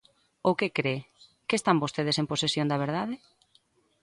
¿Ou que cre?, ¿que están vostedes en posesión da verdade?